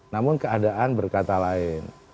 namun keadaan berkata lain